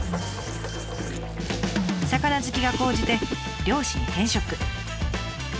魚好きが高じて漁師に転職。